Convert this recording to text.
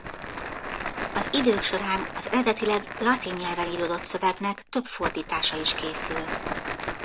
Az idők során az eredetileg latin nyelven íródott szövegnek több fordítása is készült.